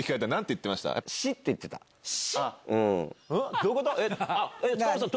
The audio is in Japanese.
どういうこと？